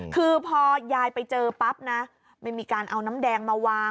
คือพอยายไปเจอปั๊บนะไม่มีการเอาน้ำแดงมาวาง